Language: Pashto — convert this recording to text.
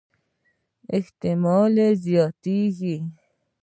احتمالي یې زياتېږي.